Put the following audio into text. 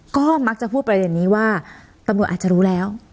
ก็มักจะพูดประเด็นนี้ว่าตำรวจอาจจะรู้แล้ว